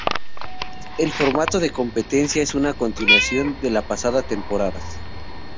El formato de competencia es una continuación del de la pasada temporada.